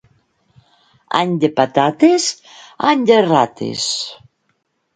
Any de patates, any de rates.